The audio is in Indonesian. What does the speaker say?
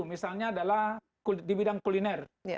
misalnya adalah di bidang kuliner